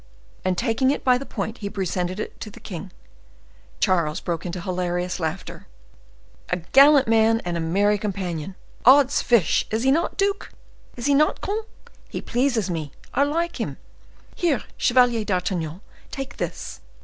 And taking it by the point he presented it to the king. Charles broke into hilarious laughter. "A gallant man, and a merry companion! Odds fish! is he not, duke? is he not, comte? He pleases me! I like him! Here, Chevalier d'Artagnan, take this."